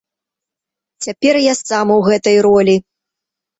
Цяпер я сам у гэтай ролі.